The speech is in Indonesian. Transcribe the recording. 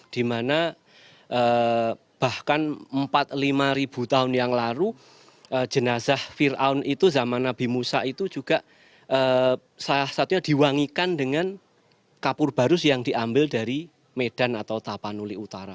dimana bahkan empat lima ribu tahun yang lalu jenazah ⁇ firaun ⁇ itu zaman nabi musa itu juga salah satunya diwangikan dengan kapur baru yang diambil dari medan atau tapanuli utara